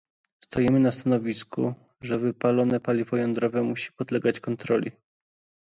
Stoimy na stanowisku, że wypalone paliwo jądrowe musi podlegać kontroli